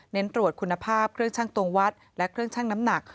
ตรวจคุณภาพเครื่องชั่งตรงวัดและเครื่องชั่งน้ำหนัก